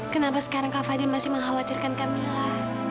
kenapa sekarang kak fadil masih mengkhawatirkan kak mila